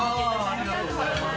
ありがとうございます。